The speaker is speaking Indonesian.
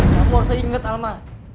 kamu harusnya inget alma